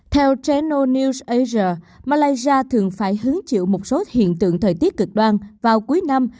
theo geno news asia malaysia thường phải hứng chịu một số hiện tượng thời tiết cực đoan vào cuối năm